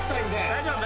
大丈夫？